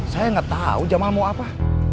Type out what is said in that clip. saya nggak tahu jamal mau apa